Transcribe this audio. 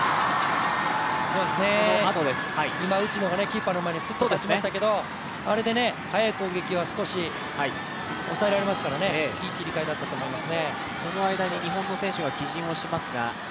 今内野がキーパーの前に出しましたけどあれで速い攻撃は少し抑えられますからね、いい切り替えだったと思います。